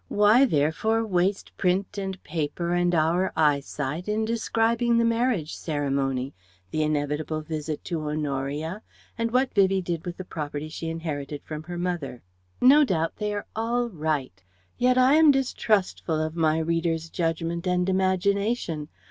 Why therefore waste print and paper and our eyesight in describing the marriage ceremony, the inevitable visit to Honoria, and what Vivie did with the property she inherited from her mother?" No doubt they are all right. Yet I am distrustful of my readers' judgment and imagination.